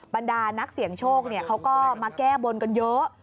บรรดานักเสี่ยงโชคเขาก็มาแก้บนกันเยอะ